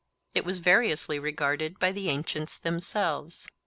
It was variously regarded by the ancients themselves.